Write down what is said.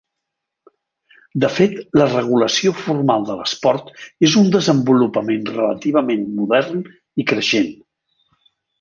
De fet, la regulació formal de l'esport és un desenvolupament relativament modern i creixent.